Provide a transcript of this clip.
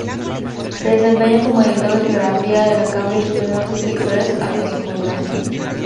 Se desempeñó como editor de geografía de la Cambridge University Press hasta su jubilación.